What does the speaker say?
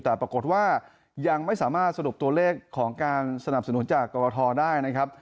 แต่ปรากฏว่ายังไม่สามารถสรุปตัวเลขของการสนับสนุนจากกรทได้นะครับ